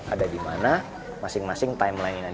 ada di mana masing masing timeline nya di mana